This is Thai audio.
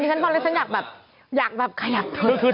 คุณเอาจริงพี่ฟังแล้วผมอยากแบบ